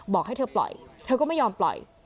บอกให้เธอปล่อยเธอก็ไม่ยอมปล่อย